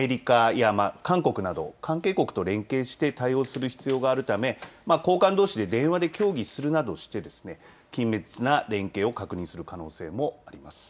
政府としてはアメリカや韓国など関係国と連携をして対応する必要があるため高官どうしで電話で協議をするなどして緊密な連携を確認する可能性もあります。